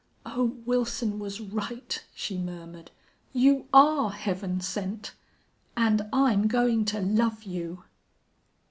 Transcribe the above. "Oh, Wilson was right!" she murmured. "You are Heaven sent! And I'm going to love you!"